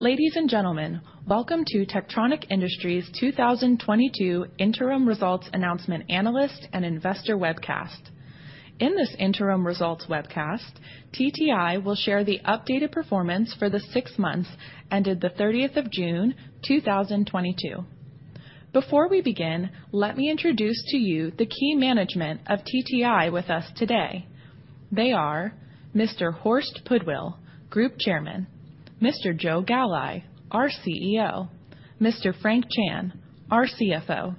Ladies and gentlemen, welcome to Techtronic Industries 2022 Interim Results Announcement Analyst and Investor Webcast. In this interim results webcast, TTI will share the updated performance for the six months ended the 30th of June 2022. Before we begin, let me introduce to you the key management of TTI with us today. They are Mr. Horst Pudwill, Group Chairman, Mr. Joe Galli, our CEO, Mr. Frank Chan, our CFO.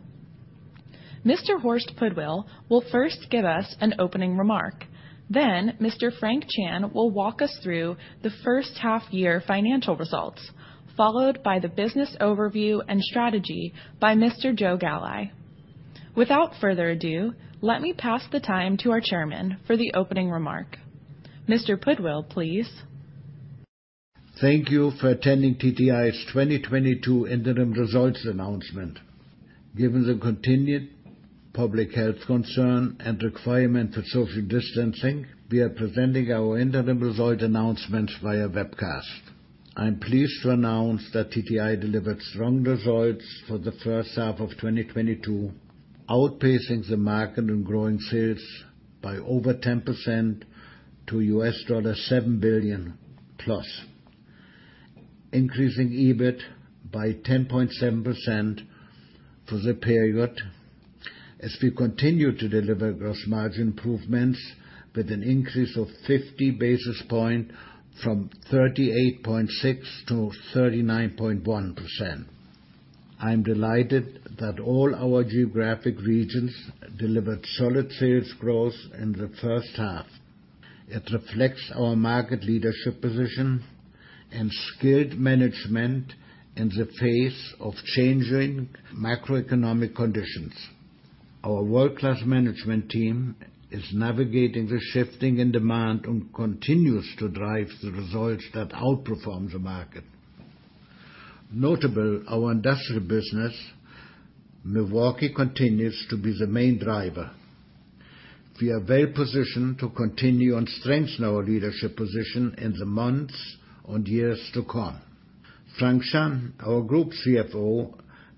Mr. Horst Pudwill will first give us an opening remark, then Mr. Frank Chan will walk us through the first half year financial results, followed by the business overview and strategy by Mr. Joe Galli. Without further ado, let me pass the time to our chairman for the opening remark. Mr. Pudwill, please. Thank you for attending TTI's 2022 interim results announcement. Given the continued public health concern and requirement for social distancing, we are presenting our interim result announcements via webcast. I'm pleased to announce that TTI delivered strong results for the first half of 2022, outpacing the market and growing sales by over 10% to $7 billion+, increasing EBIT by 10.7% for the period as we continue to deliver gross margin improvements with an increase of 50 basis points from 38.6%-39.1%. I am delighted that all our geographic regions delivered solid sales growth in the first half. It reflects our market leadership position and skilled management in the face of changing macroeconomic conditions. Our world-class management team is navigating the shifting in demand and continues to drive the results that outperform the market. Notably, our industrial business, Milwaukee, continues to be the main driver. We are well positioned to continue and strengthen our leadership position in the months and years to come. Frank Chan, our Group CFO,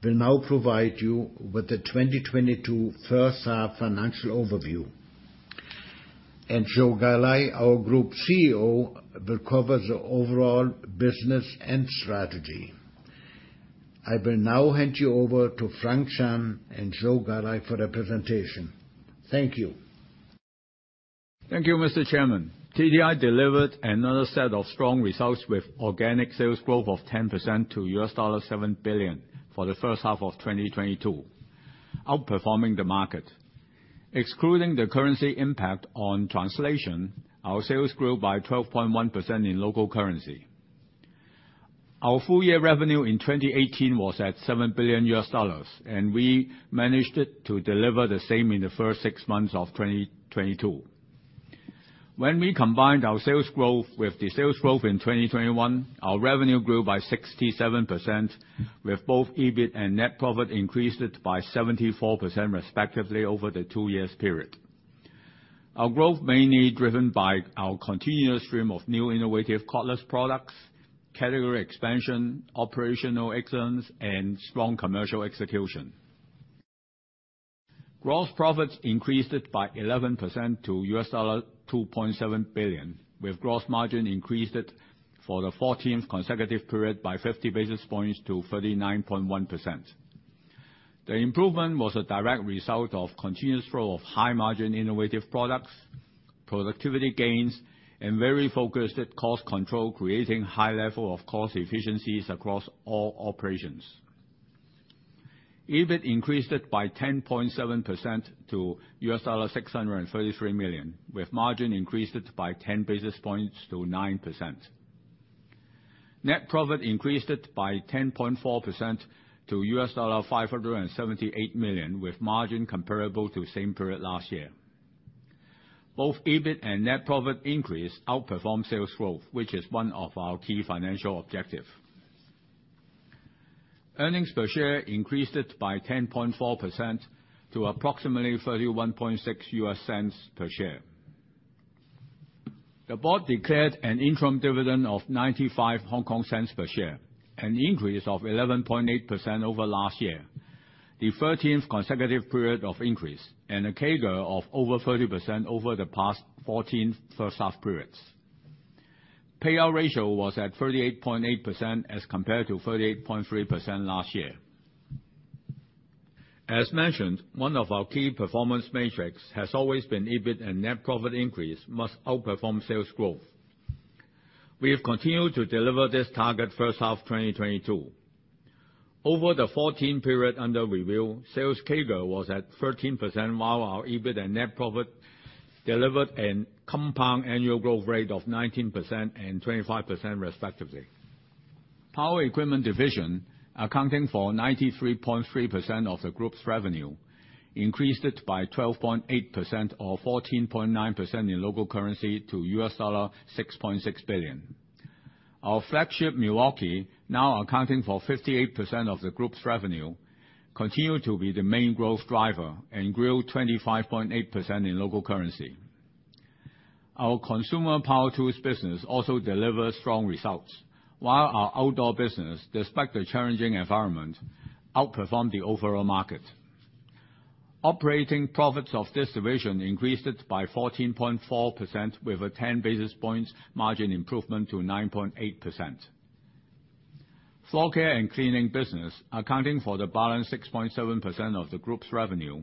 will now provide you with the 2022 first half financial overview. Joe Galli, our Group CEO, will cover the overall business and strategy. I will now hand you over to Frank Chan and Joe Galli for the presentation. Thank you. Thank you, Mr. Chairman. TTI delivered another set of strong results with organic sales growth of 10% to $7 billion for the first half of 2022, outperforming the market. Excluding the currency impact on translation, our sales grew by 12.1% in local currency. Our full year revenue in 2018 was at $7 billion, and we managed to deliver the same in the first six months of 2022. When we combined our sales growth with the sales growth in 2021, our revenue grew by 67%, with both EBIT and net profit increased by 74% respectively over the two years period. Our growth mainly driven by our continuous stream of new innovative cordless products, category expansion, operational excellence, and strong commercial execution. Gross profits increased by 11% to $2.7 billion, with gross margin increased for the 14 consecutive period by 50 basis points to 39.1%. The improvement was a direct result of continuous flow of high-margin innovative products, productivity gains, and very focused cost control, creating high level of cost efficiencies across all operations. EBIT increased by 10.7% to $633 million, with margin increased by 10 basis points to 9%. Net profit increased by 10.4% to $578 million, with margin comparable to same period last year. Both EBIT and net profit increase outperformed sales growth, which is one of our key financial objective. Earnings per share increased by 10.4% to approximately $0.316 per share. The board declared an interim dividend of 0.95 per share, an increase of 11.8% over last year, the 13th consecutive period of increase, and a CAGR of over 30% over the past 14 first half periods. Payout ratio was at 38.8% as compared to 38.3% last year. As mentioned, one of our key performance metrics has always been EBIT and net profit increase must outperform sales growth. We have continued to deliver this target first half 2022. Over the 14 period under review, sales CAGR was at 13%, while our EBIT and net profit delivered a compound annual growth rate of 19% and 25% respectively. Power equipment division, accounting for 93.3% of the group's revenue, increased by 12.8% or 14.9% in local currency to $6.6 billion. Our flagship Milwaukee, now accounting for 58% of the group's revenue, continued to be the main growth driver and grew 25.8% in local currency. Our consumer power tools business also delivers strong results. While our outdoor business, despite the challenging environment, outperformed the overall market. Operating profits of this division increased by 14.4% with a 10 basis points margin improvement to 9.8%. Floor care and cleaning business accounting for the balance 6.7% of the group's revenue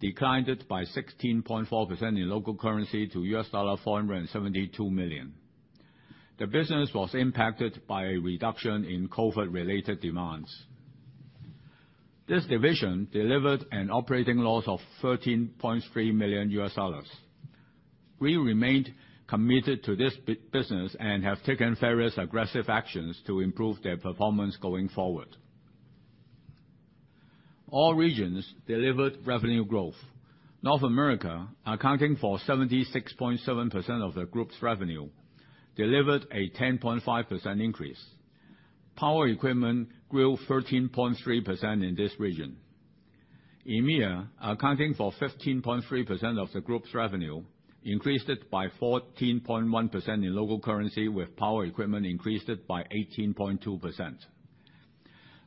declined by 16.4% in local currency to $472 million. The business was impacted by a reduction in COVID-related demands. This division delivered an operating loss of $13.3 million. We remained committed to this business and have taken various aggressive actions to improve their performance going forward. All regions delivered revenue growth. North America, accounting for 76.7% of the group's revenue, delivered a 10.5% increase. Power equipment grew 13.3% in this region. EMEIA, accounting for 15.3% of the group's revenue, increased it by 14.1% in local currency, with power equipment increased it by 18.2%.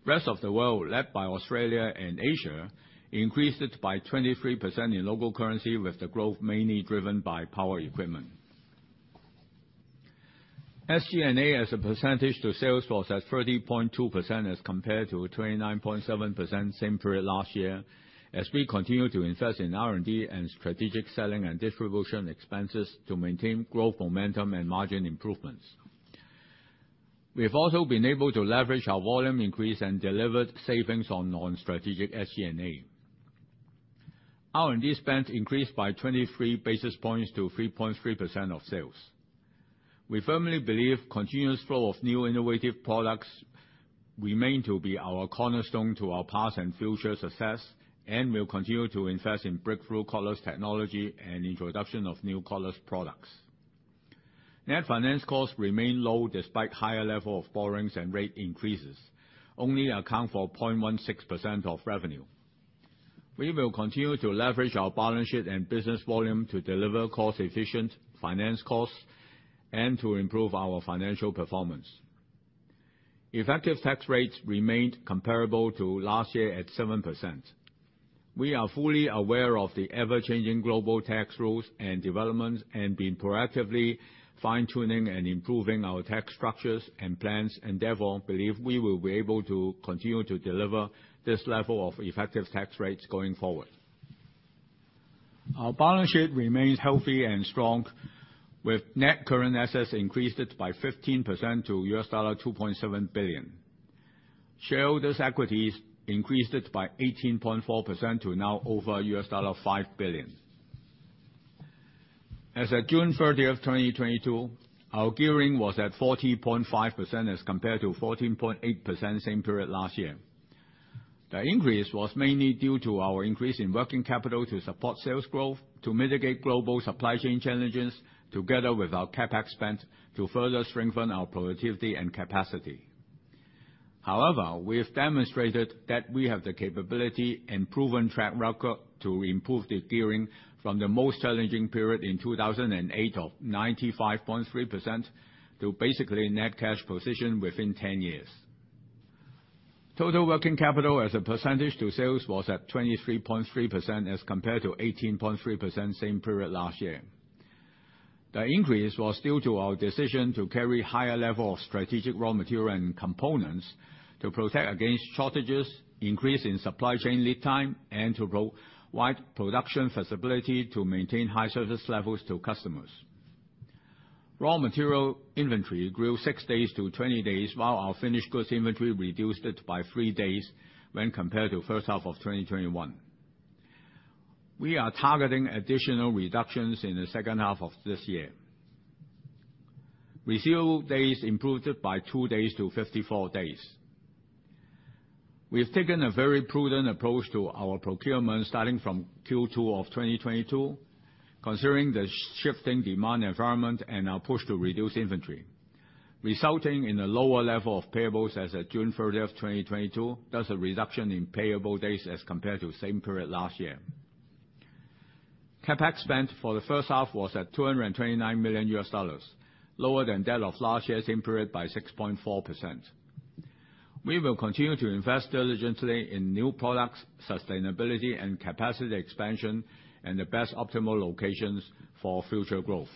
Rest of the world, led by Australia and Asia, increased it by 23% in local currency, with the growth mainly driven by power equipment. SG&A, as a percentage of sales, was at 30.2% as compared to 29.7% same period last year, as we continue to invest in R&D and strategic selling and distribution expenses to maintain growth, momentum, and margin improvements. We have also been able to leverage our volume increase and delivered savings on non-strategic SG&A. R&D spend increased by 23 basis points to 3.3% of sales. We firmly believe continuous flow of new innovative products remains to be our cornerstone to our past and future success, and we'll continue to invest in breakthrough cordless technology and introduction of new cordless products. Net finance costs remain low despite higher level of borrowings and rate increases, only account for 0.16% of revenue. We will continue to leverage our balance sheet and business volume to deliver cost-efficient finance costs and to improve our financial performance. Effective tax rates remained comparable to last year at 7%. We are fully aware of the ever-changing global tax rules and developments, and have been proactively fine-tuning and improving our tax structures and plans, and therefore, believe we will be able to continue to deliver this level of effective tax rates going forward. Our balance sheet remains healthy and strong, with net current assets increased by 15% to $2.7 billion. Shareholders' equities increased by 18.4% to now over $5 billion. As at June 30, 2022, our gearing was at 14.5% as compared to 14.8% same period last year. The increase was mainly due to our increase in working capital to support sales growth, to mitigate global supply chain challenges, together with our CapEx spend to further strengthen our productivity and capacity. However, we have demonstrated that we have the capability and proven track record to improve the gearing from the most challenging period in 2008 of 95.3% to basically net cash position within 10 years. Total working capital as a percentage of sales was at 23.3% as compared to 18.3% same period last year. The increase was due to our decision to carry higher level of strategic raw material and components to protect against shortages, increase in supply chain lead time, and to provide production flexibility to maintain high service levels to customers. Raw material inventory grew six days to 20 days, while our finished goods inventory reduced it by three days when compared to first half of 2021. We are targeting additional reductions in the second half of this year. Receivables days improved by two days to 54 days. We have taken a very prudent approach to our procurement starting from Q2 of 2022, considering the shifting demand environment and our push to reduce inventory, resulting in a lower level of payables as at June 30, 2022. That's a reduction in payable days as compared to same period last year. CapEx spend for the first half was at $229 million, lower than that of last year's same period by 6.4%. We will continue to invest diligently in new products, sustainability, and capacity expansion in the best optimal locations for future growth.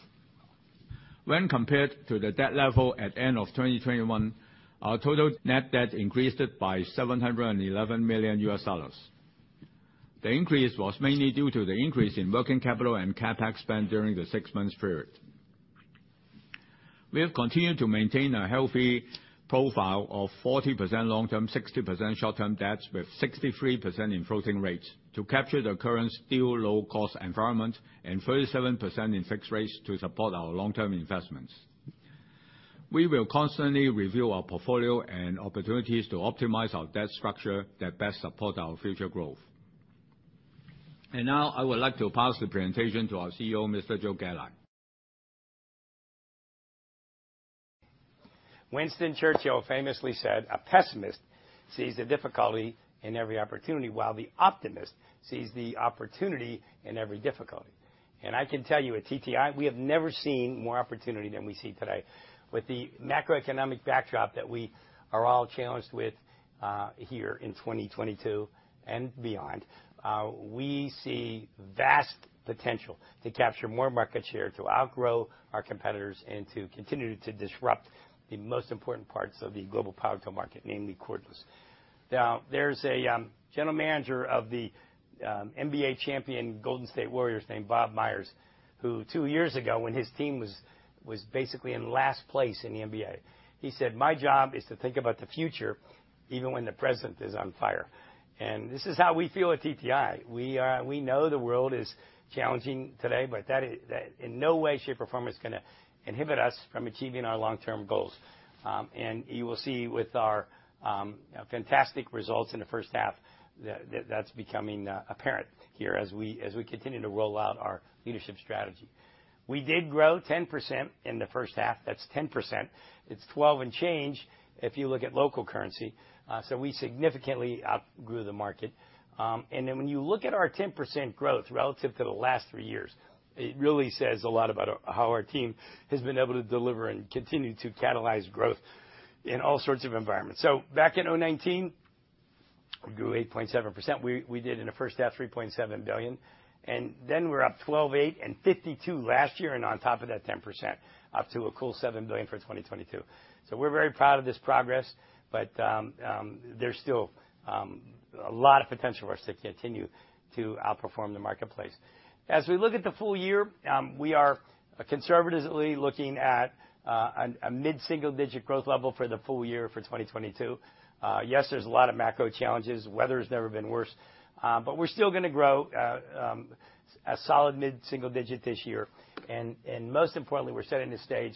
When compared to the debt level at end of 2021, our total net debt increased it by $711 million. The increase was mainly due to the increase in working capital and CapEx spend during the six-month period. We have continued to maintain a healthy profile of 40% long-term, 60% short-term debts with 63% in floating rates to capture the current still low cost environment and 37% in fixed rates to support our long-term investments. We will constantly review our portfolio and opportunities to optimize our debt structure that best support our future growth. Now I would like to pass the presentation to our CEO, Mr. Joe Galli. Winston Churchill famously said, "A pessimist sees the difficulty in every opportunity, while the optimist sees the opportunity in every difficulty." I can tell you at TTI, we have never seen more opportunity than we see today. With the macroeconomic backdrop that we are all challenged with here in 2022 and beyond, we see vast potential to capture more market share, to outgrow our competitors, and to continue to disrupt the most important parts of the global power tool market, namely cordless. Now, there's a general manager of the NBA champion Golden State Warriors named Bob Myers, who two years ago when his team was basically in last place in the NBA. He said, "My job is to think about the future even when the present is on fire." This is how we feel at TTI. We know the world is challenging today, but that in no way, shape, or form is gonna inhibit us from achieving our long-term goals. You will see with our fantastic results in the first half that that's becoming apparent here as we continue to roll out our leadership strategy. We did grow 10% in the first half. That's 10%. It's 12 and change if you look at local currency, so we significantly outgrew the market. Then when you look at our 10% growth relative to the last three years, it really says a lot about how our team has been able to deliver and continue to catalyze growth in all sorts of environments. Back in 2019, we grew 8.7%. We did in the first half $3.7 billion, and then we're up 12.8% and 52% last year and on top of that 10%, up to $7 billion for 2022. We're very proud of this progress, but there's still a lot of potential for us to continue to outperform the marketplace. As we look at the full year, we are conservatively looking at a mid-single digit growth level for the full year for 2022. Yes, there's a lot of macro challenges. Weather's never been worse, but we're still gonna grow a solid mid-single digit this year. Most importantly, we're setting the stage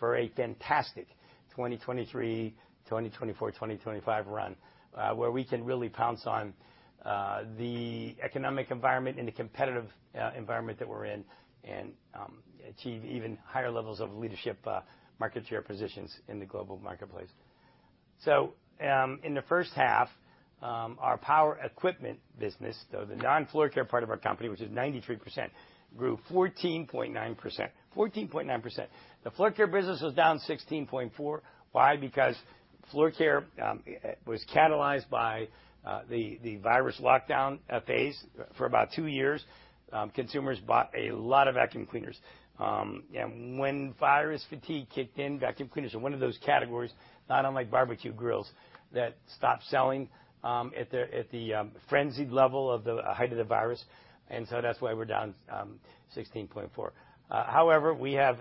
for a fantastic 2023-2024-2025 run, where we can really pounce on the economic environment and the competitive environment that we're in and achieve even higher levels of leadership, market share positions in the global marketplace. In the first half, our power equipment business, so the non-floor care part of our company, which is 93%, grew 14.9%. The floor care business was down 16.4%. Why? Because floor care was catalyzed by the virus lockdown phase for about two years. Consumers bought a lot of vacuum cleaners. And when virus fatigue kicked in, vacuum cleaners are one of those categories, not unlike barbecue grills, that stopped selling at the frenzied level of the height of the virus. That's why we're down 16.4%. However, we have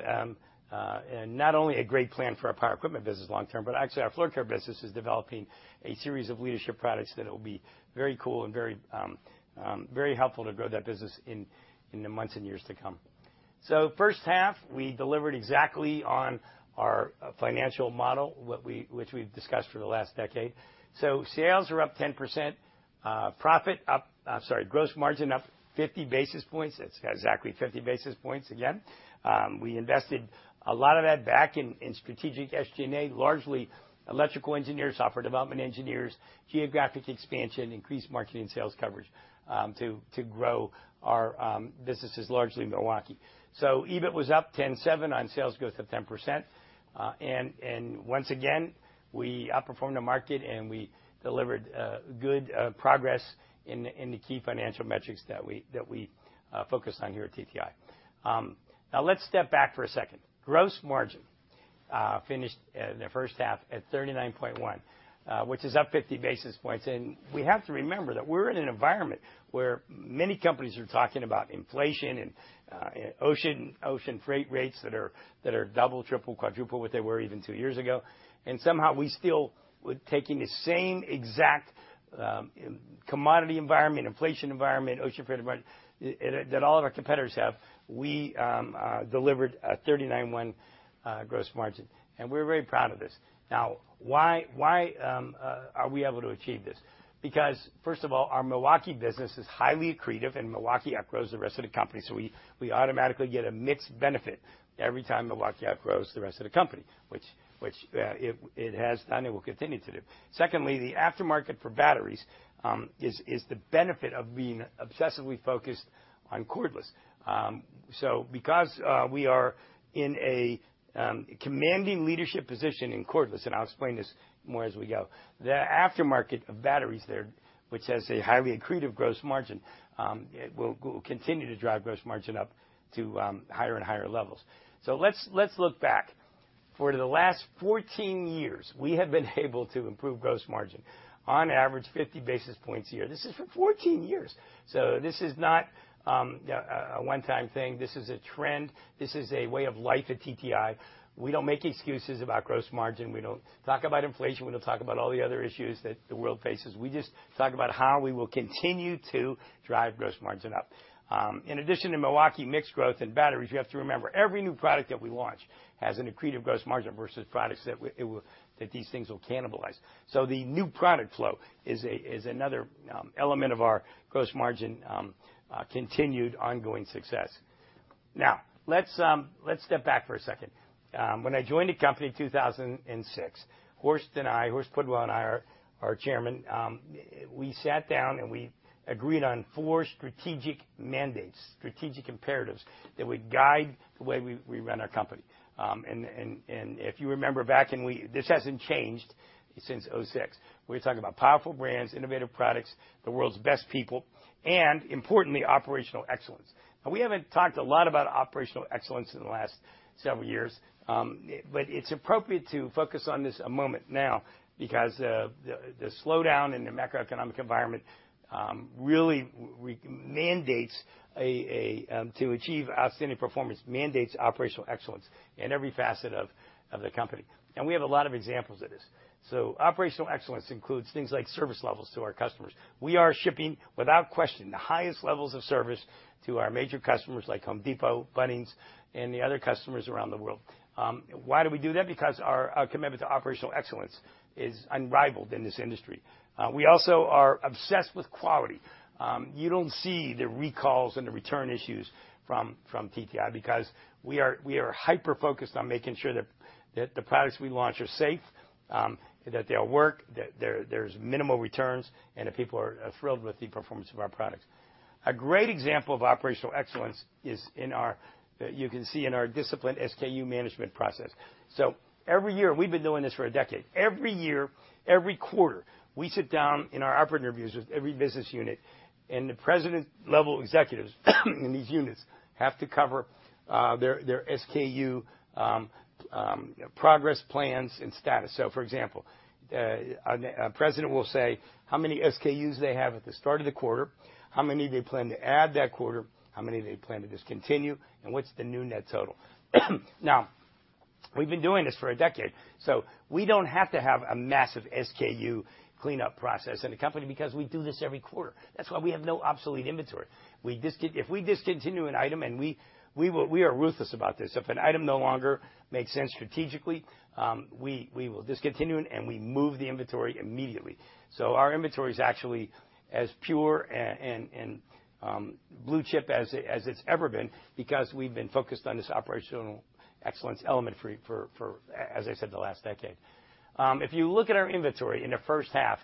not only a great plan for our power equipment business long term, but actually our floor care business is developing a series of leadership products that will be very cool and very helpful to grow that business in the months and years to come. First half, we delivered exactly on our financial model, which we've discussed for the last decade. Sales are up 10%. Gross margin up 50 basis points. That's exactly 50 basis points again. We invested a lot of that back in strategic SG&A, largely electrical engineers, software development engineers, geographic expansion, increased marketing sales coverage, to grow our businesses largely in Milwaukee. EBIT was up 10.7% on sales growth of 10%. Once again, we outperformed the market, and we delivered good progress in the key financial metrics that we focus on here at TTI. Now let's step back for a second. Gross margin finished in the first half at 39.1%, which is up 50 basis points. We have to remember that we're in an environment where many companies are talking about inflation and ocean freight rates that are double, triple, quadruple what they were even two years ago. Somehow we still taking the same exact commodity environment, inflation environment, ocean freight environment that all of our competitors have, we delivered a 39.1% gross margin, and we're very proud of this. Now, why are we able to achieve this? Because first of all, our Milwaukee business is highly accretive, and Milwaukee outgrows the rest of the company, so we automatically get a mixed benefit every time Milwaukee outgrows the rest of the company, which it has done, it will continue to do. Secondly, the aftermarket for batteries is the benefit of being obsessively focused on cordless. So because we are in a commanding leadership position in cordless, and I'll explain this more as we go, the aftermarket of batteries there, which has a highly accretive gross margin, it will continue to drive gross margin up to higher and higher levels. Let's look back. For the last 14 years, we have been able to improve gross margin on average 50 basis points a year. This is for 14 years, so this is not a one-time thing. This is a trend. This is a way of life at TTI. We don't make excuses about gross margin. We don't talk about inflation. We don't talk about all the other issues that the world faces. We just talk about how we will continue to drive gross margin up. In addition to Milwaukee mixed growth and batteries, you have to remember, every new product that we launch has an accretive gross margin versus products that these things will cannibalize. The new product flow is another element of our gross margin continued ongoing success. Now, let's step back for a second. When I joined the company in 2006, Horst Pudwill and I, our chairman, we sat down, and we agreed on four strategic mandates, strategic imperatives that would guide the way we run our company. If you remember back, this hasn't changed since 2006. We're talking about powerful brands, innovative products, the world's best people, and importantly, operational excellence. Now, we haven't talked a lot about operational excellence in the last several years, but it's appropriate to focus on this a moment now because the slowdown in the macroeconomic environment really mandates to achieve outstanding performance mandates operational excellence in every facet of the company, and we have a lot of examples of this. Operational excellence includes things like service levels to our customers. We are shipping, without question, the highest levels of service to our major customers like Home Depot, Bunnings, and the other customers around the world. Why do we do that? Because our commitment to operational excellence is unrivaled in this industry. We also are obsessed with quality. You don't see the recalls and the return issues from TTI because we are hyper-focused on making sure that the products we launch are safe, that they all work, that there's minimal returns, and that people are thrilled with the performance of our products. A great example of operational excellence. You can see in our disciplined SKU management process. Every year, we've been doing this for a decade. Every year, every quarter, we sit down in our operator reviews with every business unit, and the president-level executives in these units have to cover their SKU progress plans and status. For example, a president will say how many SKUs they have at the start of the quarter, how many they plan to add that quarter, how many they plan to discontinue, and what's the new net total. Now, we've been doing this for a decade, so we don't have to have a massive SKU cleanup process in the company because we do this every quarter. That's why we have no obsolete inventory. If we discontinue an item, and we are ruthless about this. If an item no longer makes sense strategically, we will discontinue it, and we move the inventory immediately. Our inventory is actually as pure and blue chip as it's ever been because we've been focused on this operational excellence element for, as I said, the last decade. If you look at our inventory in the first half,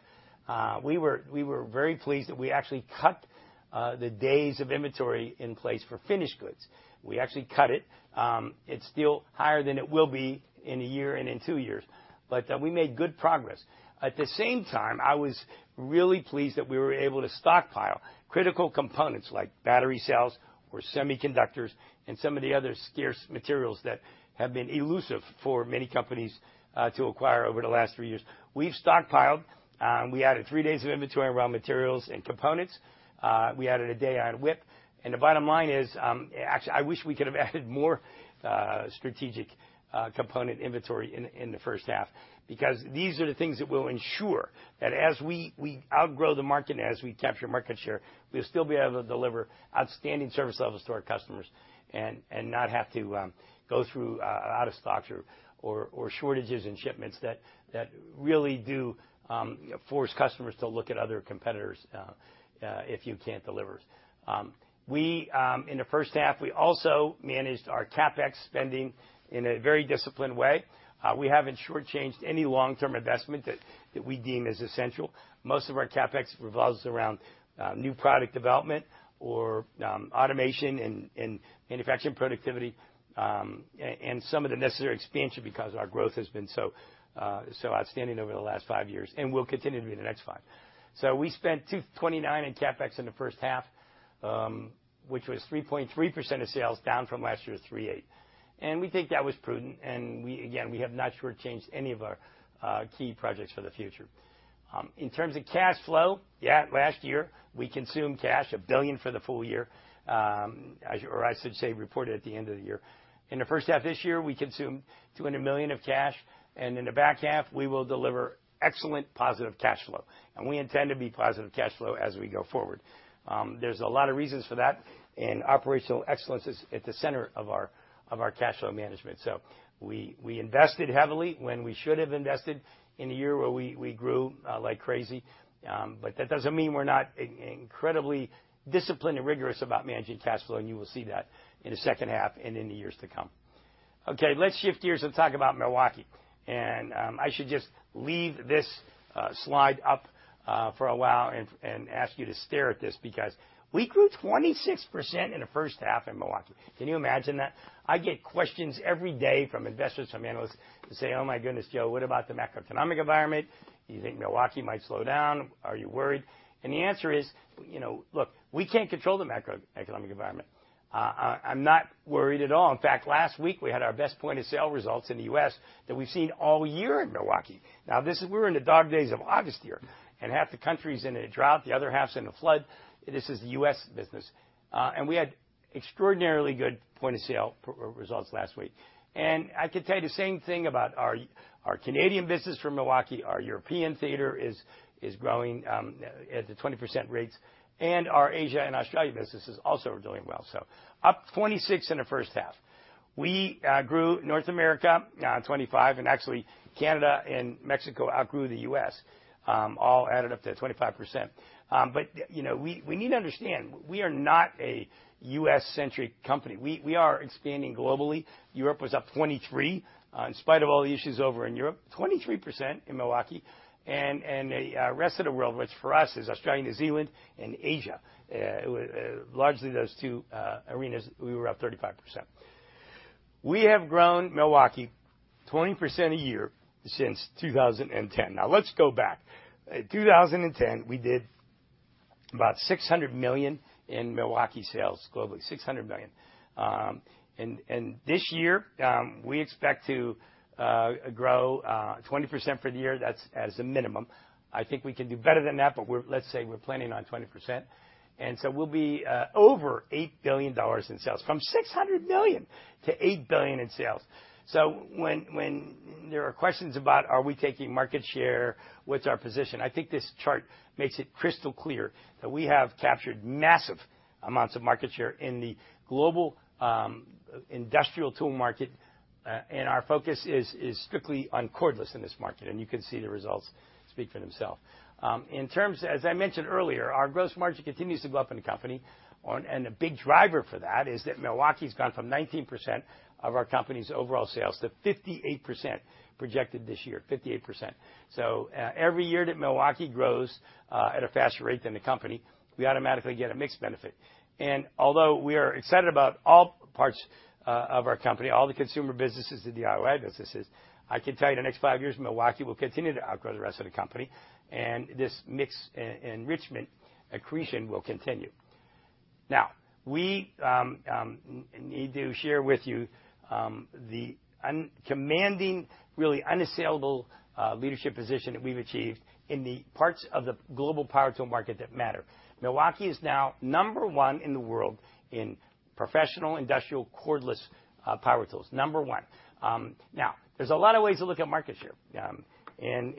we were very pleased that we actually cut the days of inventory in place for finished goods. We actually cut it. It's still higher than it will be in a year and in two years, but we made good progress. At the same time, I was really pleased that we were able to stockpile critical components like battery cells or semiconductors and some of the other scarce materials that have been elusive for many companies to acquire over the last three years. We've stockpiled. We added three days of inventory around materials and components. We added a day on WIP. The bottom line is, actually, I wish we could have added more strategic component inventory in the first half because these are the things that will ensure that as we outgrow the market and as we capture market share, we'll still be able to deliver outstanding service levels to our customers and not have to go through out of stocks or shortages in shipments that really do force customers to look at other competitors if you can't deliver. In the first half, we also managed our CapEx spending in a very disciplined way. We haven't short-changed any long-term investment that we deem as essential. Most of our CapEx revolves around new product development or automation and manufacturing productivity and some of the necessary expansion because our growth has been so outstanding over the last five years and will continue to be the next five. We spent $229 million in CapEx in the first half, which was 3.3% of sales, down from last year's 3.8%. We think that was prudent, and we again have not short-changed any of our key projects for the future. In terms of cash flow, last year we consumed cash, $1 billion for the full year, or I should say, reported at the end of the year. In the first half this year, we consumed $200 million of cash, and in the back half, we will deliver excellent positive cash flow, and we intend to be positive cash flow as we go forward. There's a lot of reasons for that, and operational excellence is at the center of our cash flow management. We invested heavily when we should have invested in a year where we grew like crazy, but that doesn't mean we're not incredibly disciplined and rigorous about managing cash flow, and you will see that in the second half and in the years to come. Okay, let's shift gears and talk about Milwaukee. I should just leave this slide up for a while and ask you to stare at this because we grew 26% in the first half in Milwaukee. Can you imagine that? I get questions every day from investors, from analysts who say, "Oh, my goodness, Joe, what about the macroeconomic environment? Do you think Milwaukee might slow down? Are you worried?" The answer is, you know, look, we can't control the macroeconomic environment. I'm not worried at all. In fact, last week, we had our best point-of-sale results in the U.S. that we've seen all year in Milwaukee. Now, we're in the dog days of August here, and half the country's in a drought, the other half's in a flood. This is the U.S. business, and we had extraordinarily good point-of-sale results last week. I could tell you the same thing about our Canadian business from Milwaukee. Our European theater is growing at the 20% rates, and our Asia and Australia business is also doing well. Up 26% in the first half. We grew North America 25%, and actually Canada and Mexico outgrew the U.S., all added up to 25%. You know, we need to understand, we are not a U.S.-centric company. We are expanding globally. Europe was up 23%, in spite of all the issues over in Europe, 23% in Milwaukee. The rest of the world, which for us is Australia, New Zealand, and Asia, largely those two arenas, we were up 35%. We have grown Milwaukee 20% a year since 2010. Now let's go back. In 2010, we did about $600 million in Milwaukee sales globally, $600 million. This year we expect to grow 20% for the year. That's as a minimum. I think we can do better than that, but we're, let's say we're planning on 20%. We'll be over $8 billion in sales from $600 million-$8 billion in sales. When there are questions about are we taking market share, what's our position, I think this chart makes it crystal clear that we have captured massive amounts of market share in the global industrial tool market, and our focus is strictly on cordless in this market, and you can see the results speak for themselves. In terms, as I mentioned earlier, our gross margin continues to go up in the company, and the big driver for that is that Milwaukee's gone from 19% of our company's overall sales to 58% projected this year. Every year that Milwaukee grows at a faster rate than the company, we automatically get a mixed benefit. Although we are excited about all parts of our company, all the consumer businesses and the RYOBI businesses, I can tell you, the next five years, Milwaukee will continue to outgrow the rest of the company, and this mix enrichment accretion will continue. Now, we need to share with you the commanding, really unassailable leadership position that we've achieved in the parts of the global power tool market that matter. Milwaukee is now number one in the world in professional industrial cordless power tools. Number one. Now, there's a lot of ways to look at market share, and,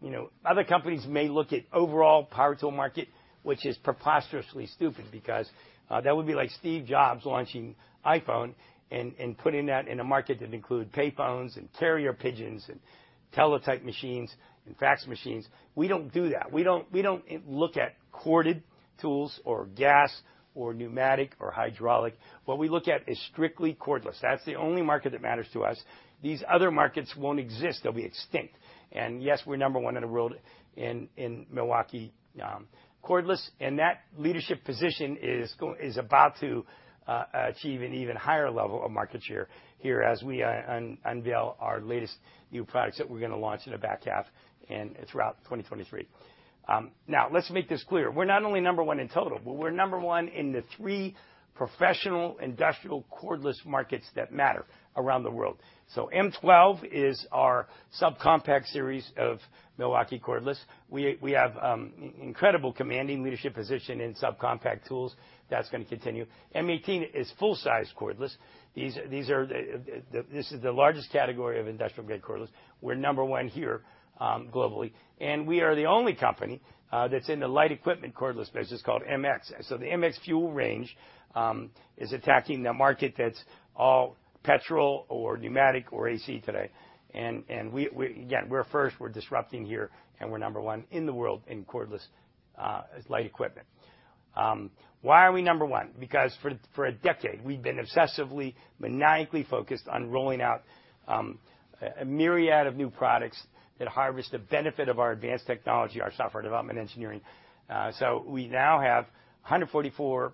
you know, other companies may look at overall power tool market, which is preposterously stupid because that would be like Steve Jobs launching iPhone and putting that in a market that include payphones and carrier pigeons and teletype machines and fax machines. We don't do that. We don't look at corded tools or gas or pneumatic or hydraulic. What we look at is strictly cordless. That's the only market that matters to us. These other markets won't exist. They'll be extinct. Yes, we're number one in the world in Milwaukee cordless, and that leadership position is about to achieve an even higher level of market share here as we unveil our latest new products that we're gonna launch in the back half and throughout 2023. Now let's make this clear. We're not only number one in total, but we're number one in the three professional industrial cordless markets that matter around the world. M12 is our subcompact series of Milwaukee cordless. We have incredible commanding leadership position in subcompact tools. That's gonna continue. M18 is full-size cordless. This is the largest category of industrial-grade cordless. We're number one here globally. We are the only company that's in the light equipment cordless business called MX. The MX FUEL range is attacking the market that's all petrol or pneumatic or AC today. Again, we're first, we're disrupting here, and we're number one in the world in cordless light equipment. Why are we number one? Because for a decade, we've been obsessively, maniacally focused on rolling out a myriad of new products that harvest the benefit of our advanced technology, our software development engineering. We now have 144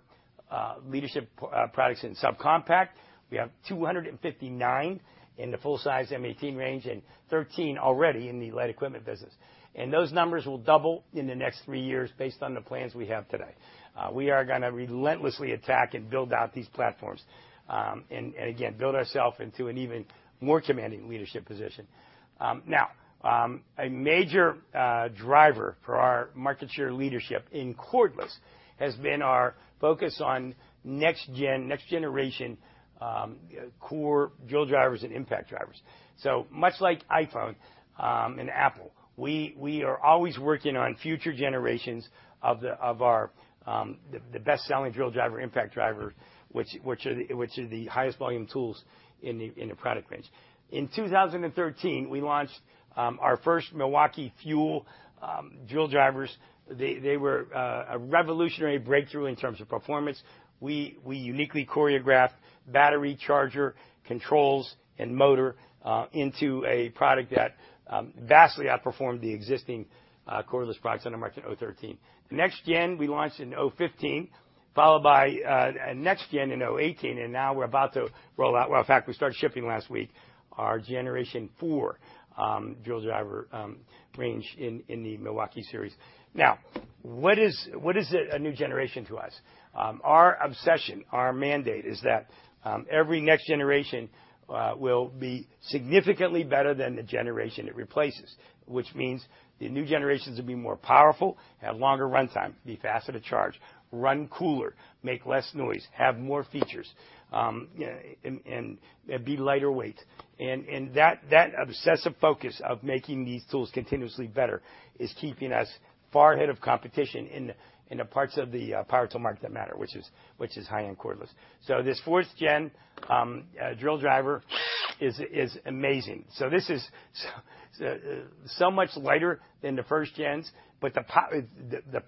leadership products in subcompact. We have 259 in the full-size M18 range and 13 already in the light equipment business. Those numbers will double in the next three years based on the plans we have today. We are gonna relentlessly attack and build out these platforms, and again, build ourself into an even more commanding leadership position. Now, a major driver for our market share leadership in cordless has been our focus on next-gen, next-generation, core drill drivers and impact drivers. Much like iPhone and Apple, we are always working on future generations of our best-selling drill driver, impact driver, which are the highest volume tools in the product range. In 2013, we launched our first Milwaukee Fuel drill drivers. They were a revolutionary breakthrough in terms of performance. We uniquely choreographed battery, charger, controls, and motor into a product that vastly outperformed the existing cordless products on the market in 2013. Next gen, we launched in 2015, followed by a next gen in 2018, and now we're about to roll out, well, in fact, we started shipping last week, our generation four drill driver range in the Milwaukee series. Now, what is a new generation to us? Our obsession, our mandate is that every next generation will be significantly better than the generation it replaces, which means the new generations will be more powerful, have longer runtime, be faster to charge, run cooler, make less noise, have more features, and be lighter weight. That obsessive focus of making these tools continuously better is keeping us far ahead of competition in the parts of the power tool market that matter, which is high-end cordless. This fourth-gen drill driver is amazing. This is so much lighter than the first gens, but the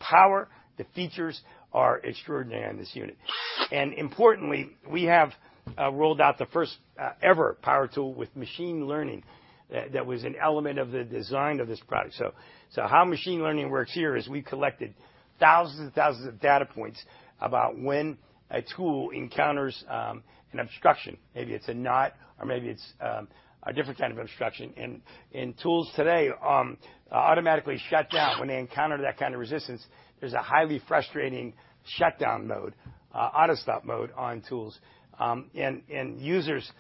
power, the features are extraordinary on this unit. Importantly, we have rolled out the first ever power tool with machine learning that was an element of the design of this product. How machine learning works here is we collected thousands and thousands of data points about when a tool encounters an obstruction. Maybe it's a knot or maybe it's a different kind of obstruction. Tools today automatically shut down when they encounter that kind of resistance. There's a highly frustrating shutdown mode, auto-stop mode on tools. Users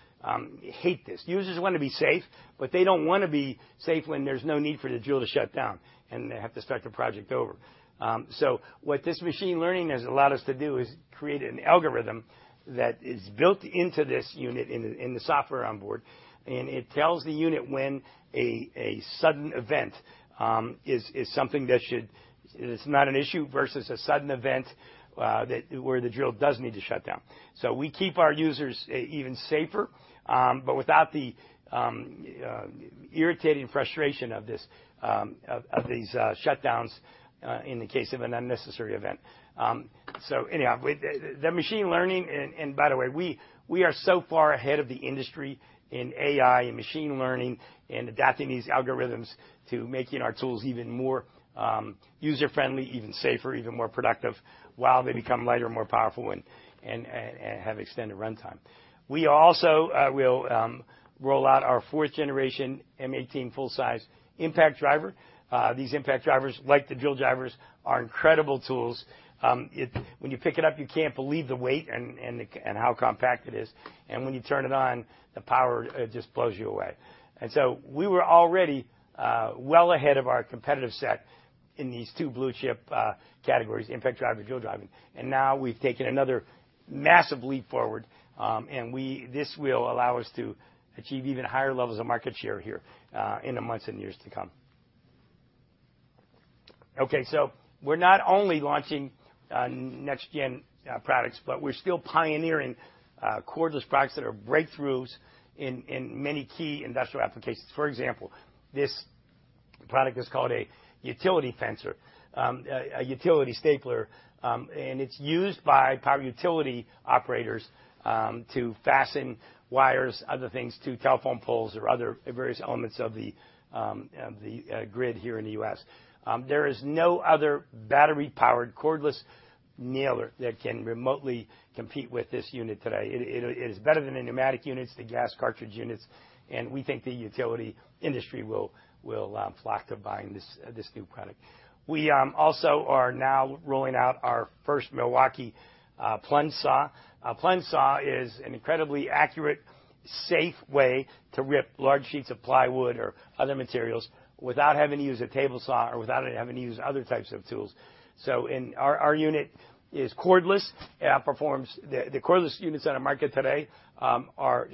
hate this. Users wanna be safe, but they don't wanna be safe when there's no need for the drill to shut down, and they have to start the project over. What this machine learning has allowed us to do is create an algorithm that is built into this unit in the software on board, and it tells the unit when a sudden event is not an issue versus a sudden event where the drill does need to shut down. We keep our users even safer, but without the irritating frustration of these shutdowns in the case of an unnecessary event. With the machine learning. By the way, we are so far ahead of the industry in AI and machine learning and adapting these algorithms to making our tools even more user-friendly, even safer, even more productive, while they become lighter, more powerful and have extended run time. We also will roll out our fourth generation M18 full size impact driver. These impact drivers, like the drill drivers, are incredible tools. When you pick it up, you can't believe the weight and how compact it is. When you turn it on, the power just blows you away. We were already well ahead of our competitive set in these two blue chip categories, impact driver, drill driving. Now we've taken another massive leap forward, and we This will allow us to achieve even higher levels of market share here in the months and years to come. Okay, we're not only launching next-gen products, but we're still pioneering cordless products that are breakthroughs in many key industrial applications. For example, this product is called a utility fencer, a utility stapler. It's used by power utility operators to fasten wires, other things to telephone poles or other various elements of the grid here in the U.S. There is no other battery-powered cordless nailer that can remotely compete with this unit today. It is better than the pneumatic units, the gas cartridge units, and we think the utility industry will flock to buying this new product. We also are now rolling out our first Milwaukee plunge saw. A plunge saw is an incredibly accurate, safe way to rip large sheets of plywood or other materials without having to use a table saw or without having to use other types of tools. Our unit is cordless. The cordless units that are in market today are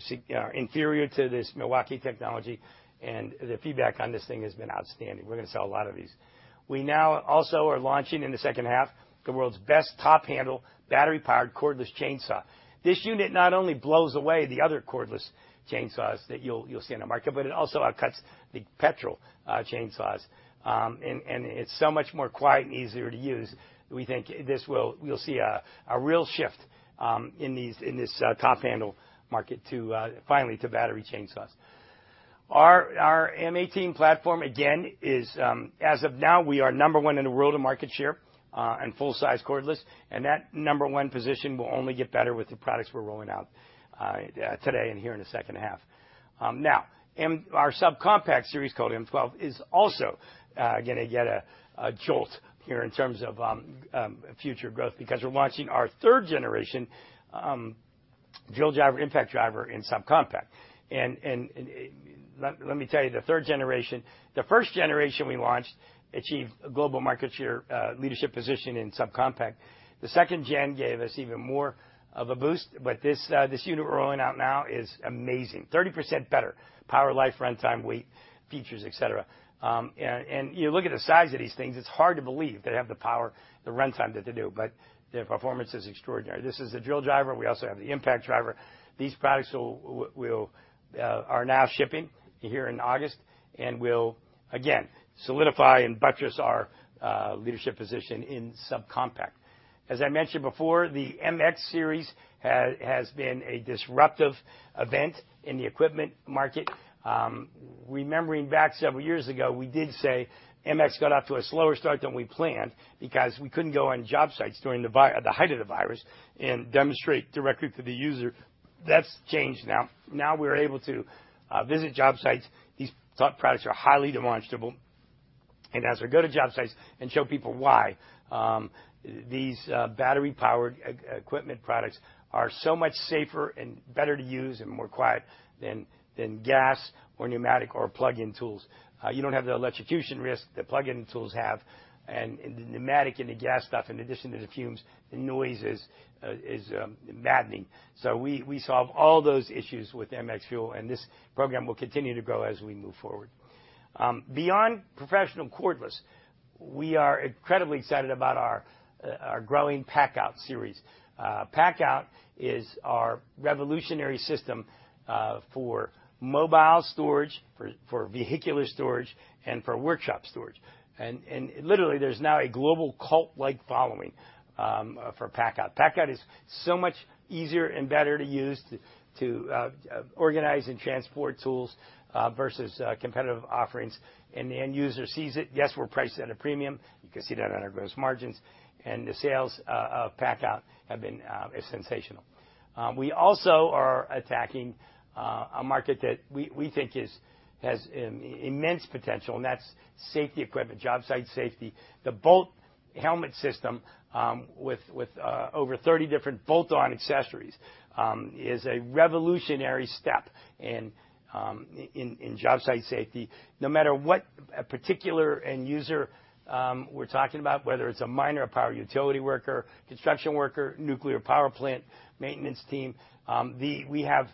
inferior to this Milwaukee technology, and the feedback on this thing has been outstanding. We're gonna sell a lot of these. We now also are launching in the second half, the world's best top handle battery powered cordless chainsaw. This unit not only blows away the other cordless chainsaws that you'll see on the market, but it also out cuts the petrol chainsaws. It's so much more quiet and easier to use, we think this will. You'll see a real shift in this top handle market to finally to battery chainsaws. Our M18 platform again is, as of now, we are number one in the world in market share and full size cordless, and that number one position will only get better with the products we're rolling out today and here in the second half. Now our subcompact series called M12 is also gonna get a jolt here in terms of future growth because we're launching our third generation drill driver, impact driver in subcompact. Let me tell you, the third generation. The first generation we launched achieved global market share leadership position in subcompact. The second-gen gave us even more of a boost, but this unit we're rolling out now is amazing. 30% better power, life, runtime, weight, features, et cetera. You look at the size of these things, it's hard to believe they have the power, the runtime that they do, but their performance is extraordinary. This is the drill driver. We also have the impact driver. These products are now shipping here in August and will again solidify and buttress our leadership position in subcompact. As I mentioned before, the MX series has been a disruptive event in the equipment market. Remembering back several years ago, we did say MX got off to a slower start than we planned because we couldn't go on job sites during the height of the virus and demonstrate directly to the user. That's changed now. Now we're able to visit job sites. These top products are highly demonstrable. As we go to job sites and show people why these battery powered equipment products are so much safer and better to use and more quiet than gas or pneumatic or plug-in tools. You don't have the electrocution risk that plug-in tools have. The pneumatic and the gas stuff, in addition to the fumes, the noise is maddening. We solve all those issues with MX Fuel, and this program will continue to grow as we move forward. Beyond professional cordless, we are incredibly excited about our growing PACKOUT series. PACKOUT is our revolutionary system for mobile storage, for vehicular storage, and for workshop storage. Literally, there's now a global cult-like following for PACKOUT. PACKOUT is so much easier and better to use to organize and transport tools versus competitive offerings. The end user sees it. Yes, we're priced at a premium. You can see that on our gross margins and the sales of PACKOUT have been sensational. We also are attacking a market that we think has immense potential, and that's safety equipment, job site safety. The BOLT system with over 30 different bolt-on accessories is a revolutionary step in job site safety. No matter what a particular end user we're talking about, whether it's a miner, a power utility worker, construction worker, nuclear power plant maintenance team, we have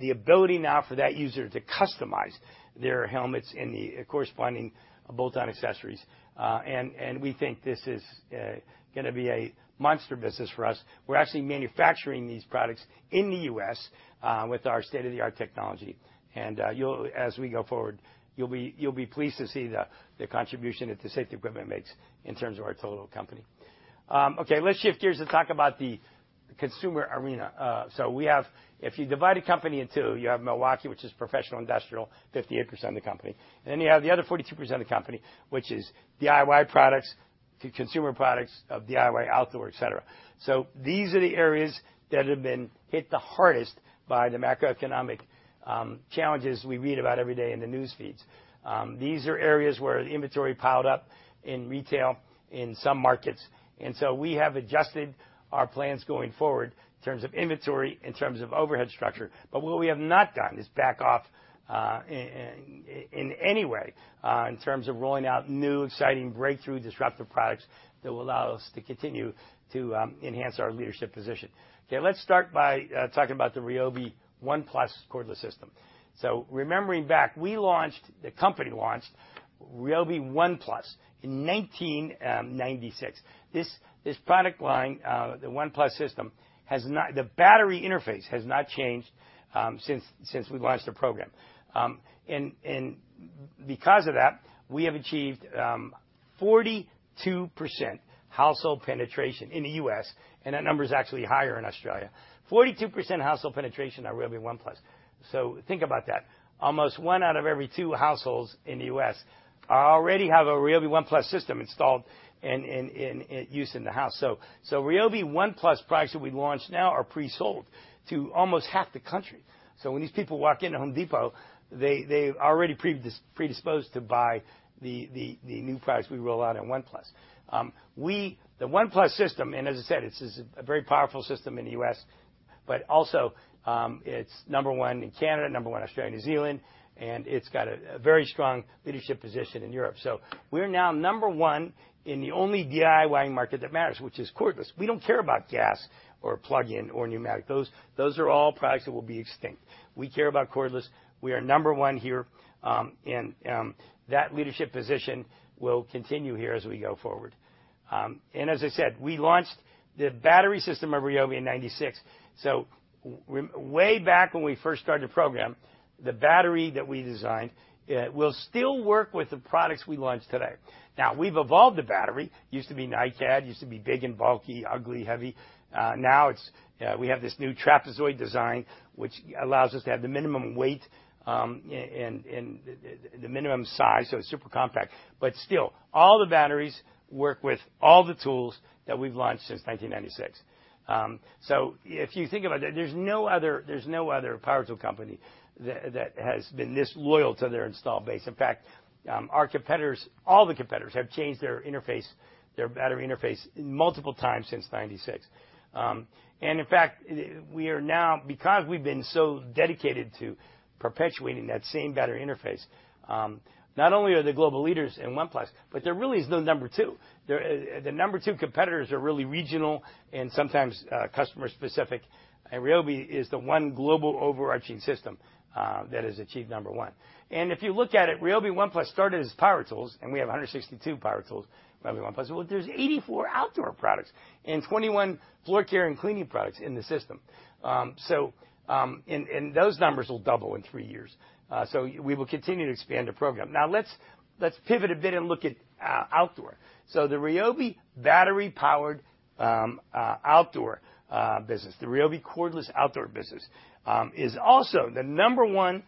the ability now for that user to customize their helmets and the corresponding BOLT-on accessories. We think this is gonna be a monster business for us. We're actually manufacturing these products in the U.S. with our state-of-the-art technology. As we go forward, you'll be pleased to see the contribution that the safety equipment makes in terms of our total company. Okay, let's shift gears to talk about the consumer arena. We have... If you divide a company in two, you have Milwaukee, which is professional industrial, 58% of the company, and then you have the other 42% of the company, which is DIY products to consumer products of DIY outdoor, et cetera. These are the areas that have been hit the hardest by the macroeconomic challenges we read about every day in the news feeds. These are areas where the inventory piled up in retail in some markets, and we have adjusted our plans going forward in terms of inventory, in terms of overhead structure. What we have not done is back off in any way in terms of rolling out new, exciting, breakthrough, disruptive products that will allow us to continue to enhance our leadership position. Okay, let's start by talking about the RYOBI ONE+ cordless system. Remembering back, the company launched RYOBI ONE+ in 1996. This product line, the ONE+ system, the battery interface has not changed since we've launched the program. Because of that, we have achieved 42% household penetration in the U.S., and that number is actually higher in Australia. 42% household penetration on RYOBI ONE+. Think about that. Almost one out of every two households in the U.S. already have a RYOBI ONE+ system installed and use in the house. RYOBI ONE+ products that we launch now are pre-sold to almost half the country. When these people walk into Home Depot, they're already predisposed to buy the new products we roll out in ONE+. The ONE+ system, and as I said, it's a very powerful system in the U.S., but also, it's number one in Canada, number one Australia/New Zealand, and it's got a very strong leadership position in Europe. We're now number one in the only DIY market that matters, which is cordless. We don't care about gas or plug-in or pneumatic. Those are all products that will be extinct. We care about cordless. We are number one here, and that leadership position will continue here as we go forward. As I said, we launched the battery system of RYOBI in 1996, so way back when we first started the program, the battery that we designed will still work with the products we launch today. Now, we've evolved the battery, used to be NiCad, used to be big and bulky, ugly, heavy. We have this new trapezoid design which allows us to have the minimum weight, and the minimum size, so it's super compact. Still, all the batteries work with all the tools that we've launched since 1996. If you think about that, there's no other power tool company that has been this loyal to their installed base. In fact, our competitors, all the competitors have changed their interface, their battery interface multiple times since 1996. In fact, because we've been so dedicated to perpetuating that same battery interface, not only are they global leaders in ONE+, but there really is no number two. The number two competitors are really regional and sometimes customer specific, and RYOBI is the one global overarching system that has achieved number one. If you look at it, RYOBI ONE+ started as power tools, and we have 162 power tools, RYOBI ONE+. Well, there's 84 outdoor products and 21 floor care and cleaning products in the system. Those numbers will double in three years. We will continue to expand the program. Now let's pivot a bit and look at outdoor. The RYOBI battery-powered outdoor business, the RYOBI cordless outdoor business, is also the number one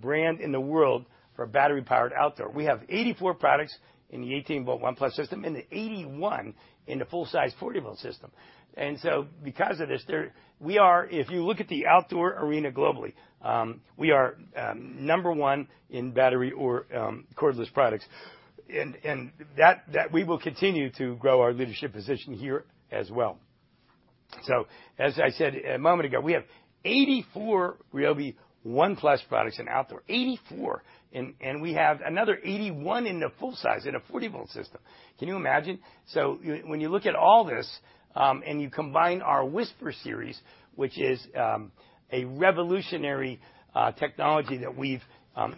brand in the world for battery-powered outdoor. We have 84 products in the 18-volt ONE+ system and 81 in the full-size 40-volt system. Because of this, if you look at the outdoor arena globally, we are number one in battery or cordless products. That we will continue to grow our leadership position here as well. As I said a moment ago, we have 84 RYOBI ONE+ products in outdoor, and we have another 81 in the full size, in a 40-volt system. Can you imagine? When you look at all this, and you combine our WHISPER Series, which is a revolutionary technology that we've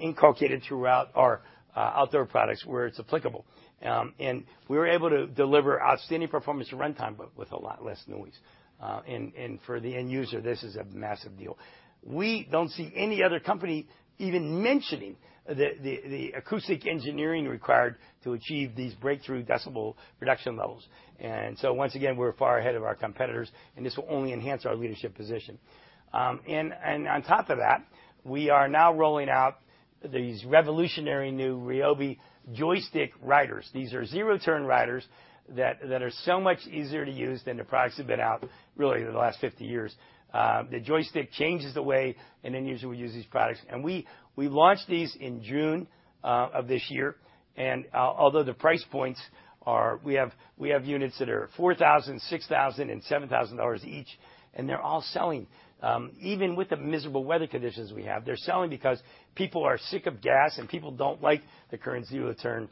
inculcated throughout our outdoor products where it's applicable. And we were able to deliver outstanding performance and runtime but with a lot less noise. And for the end user, this is a massive deal. We don't see any other company even mentioning the acoustic engineering required to achieve these breakthrough decibel reduction levels. Once again, we're far ahead of our competitors, and this will only enhance our leadership position. On top of that, we are now rolling out these revolutionary new RYOBI joystick riders. These are zero-turn riders that are so much easier to use than the products that've been out really for the last 50 years. The joystick changes the way an end user will use these products. We launched these in June of this year. Although the price points are, we have units that are $4,000, $6,000, and $7,000 each, and they're all selling. Even with the miserable weather conditions we have, they're selling because people are sick of gas, and people don't like the current zero-turn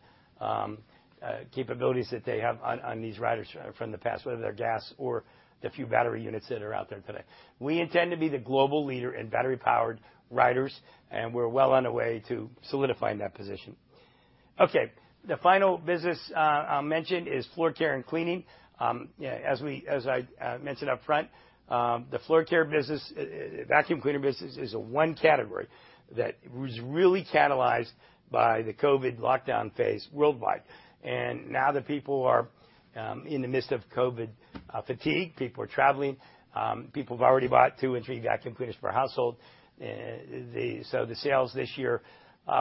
capabilities that they have on these riders from the past, whether they're gas or the few battery units that are out there today. We intend to be the global leader in battery-powered riders, and we're well on the way to solidifying that position. Okay. The final business I'll mention is floor care and cleaning. As I mentioned up front, the floor care business vacuum cleaner business is the one category that was really catalyzed by the COVID lockdown phase worldwide. Now that people are in the midst of COVID fatigue, people are traveling, people have already bought two and three vacuum cleaners per household. The sales this year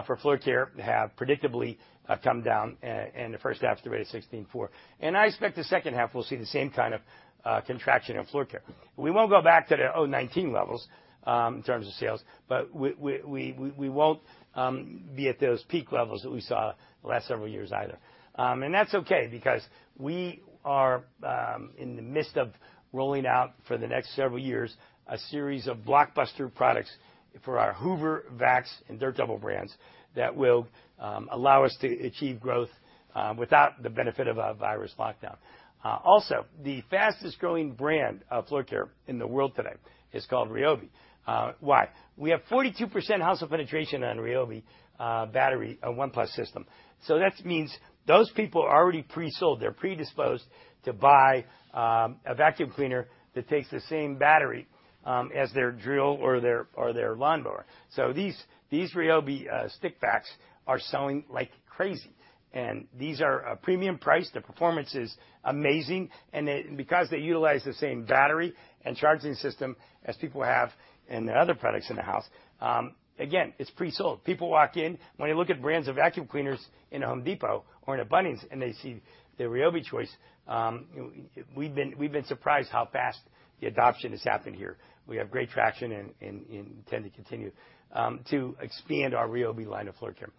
for floor care have predictably come down, and the first half's rated 16.4. I expect the second half will see the same kind of contraction in floor care. We won't go back to the 2019 levels in terms of sales, but we won't be at those peak levels that we saw the last several years either. That's okay because we are in the midst of rolling out for the next several years a series of blockbuster products for our Hoover, VAX, and Dirt Devil brands that will allow us to achieve growth without the benefit of a virus lockdown. Also, the fastest-growing brand of floor care in the world today is called RYOBI. Why? We have 42% household penetration on RYOBI battery ONE+ system. That means those people are already pre-sold. They're predisposed to buy a vacuum cleaner that takes the same battery as their drill or their lawnmower. These RYOBI stick vacs are selling like crazy. These are premium price. The performance is amazing. Because they utilize the same battery and charging system as people have in their other products in the house, again, it's pre-sold. People walk in. When they look at brands of vacuum cleaners in a Home Depot or in a Bunnings and they see the RYOBI choice, we've been surprised how fast the adoption has happened here. We have great traction and intend to continue to expand our RYOBI line of floor care.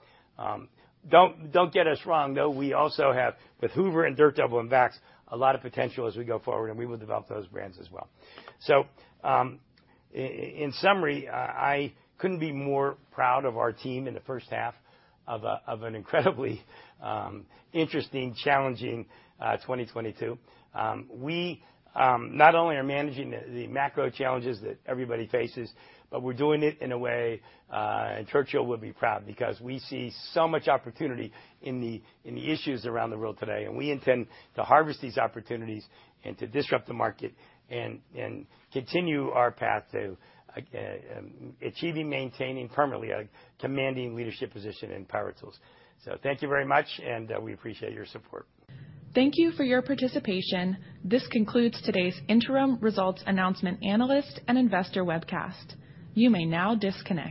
Don't get us wrong, though. We also have with Hoover and Dirt Devil and VAX a lot of potential as we go forward, and we will develop those brands as well. In summary, I couldn't be more proud of our team in the first half of an incredibly interesting, challenging 2022. We not only are managing the macro challenges that everybody faces, but we're doing it in a way Churchill would be proud because we see so much opportunity in the issues around the world today. We intend to harvest these opportunities and to disrupt the market and continue our path to achieving, maintaining permanently a commanding leadership position in power tools. Thank you very much, and we appreciate your support. Thank you for your participation. This concludes today's interim results announcement analyst and investor webcast. You may now disconnect.